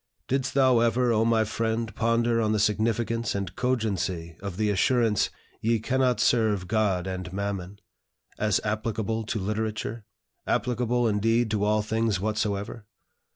Did'st thou ever, O my friend! ponder on the significance and cogency of the assurance, 'Ye cannot serve God and Mammon,' as applicable to literature, applicable, indeed, to all things whatsoever?